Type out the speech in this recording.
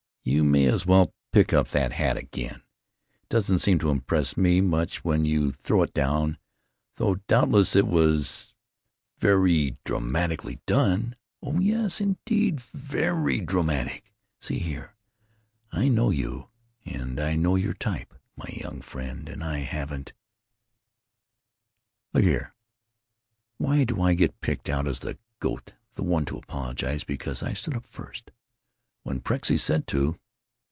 You may as well pick up that hat again. It doesn't seem to impress me much when you throw it down, though doubtless it was ver ee dramatically done, oh yes, indeed, ver ee dramatic. See here. I know you, and I know your type, my young friend, and I haven't——" "Look here. Why do I get picked out as the goat, the one to apologize? Because I stood up first? When Prexy said to?"